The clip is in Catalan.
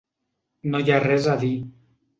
No hi ha res a dir.